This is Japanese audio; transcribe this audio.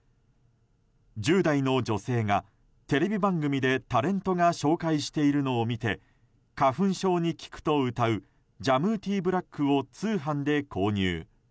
１０代の女性が、テレビ番組でタレントが紹介しているのを見て花粉症に効くとうたうジャムー・ティー・ブラックを通販で購入。